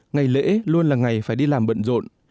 ngày lễ luôn là ngày phải đi làm bận rộn